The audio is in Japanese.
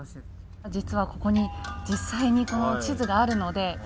実はここに実際にこの地図があるので。